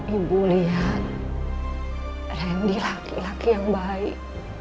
ibu lihat randy laki laki yang baik